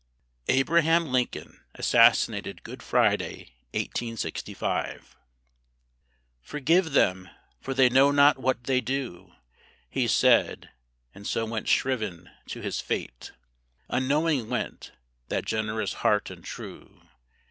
ABRAHAM LINCOLN ASSASSINATED GOOD FRIDAY, 1865 "Forgive them, for they know not what they do!" He said, and so went shriven to his fate, Unknowing went, that generous heart and true.